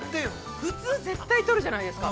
◆普通絶対撮るじゃないですか。